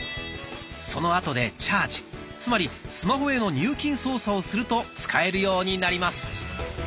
そのあとでチャージつまりスマホへの入金操作をすると使えるようになります。